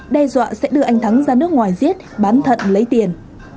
đe dọa sẽ đưa anh thắng ra nước ngoài giết bán thận lấy tiền